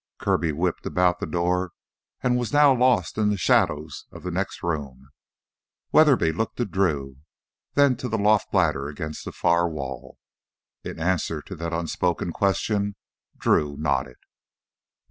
Kirby whipped about the door and was now lost in the shadows of the next room. Weatherby looked to Drew, then to the loft ladder against the far wall. In answer to that unspoken question, Drew nodded.